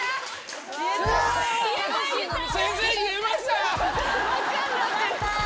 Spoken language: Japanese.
先生言えました！